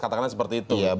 katakanlah seperti itu